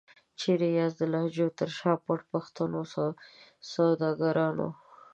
چيري یاست د لهجو تر شا پټ د پښتو سوداګرانو؟